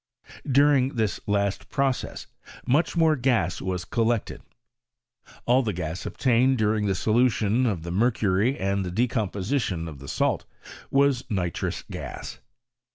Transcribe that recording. Dur ing this last process much more gas was collected. All the gas obtained during the solution of the mer cury and the decomposition of the salt was nitrous ) I 124 gas.